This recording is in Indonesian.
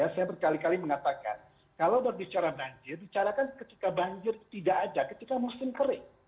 saya berkali kali mengatakan kalau berbicara banjir bicarakan ketika banjir tidak ada ketika musim kering